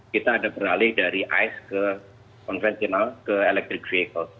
kita ada beralih dari ice ke konvensional ke electric vehicle